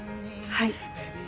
はい。